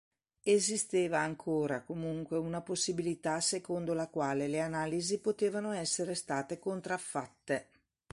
Esisteva ancora, comunque, una possibilità secondo la quale le analisi potevano essere state contraffatte.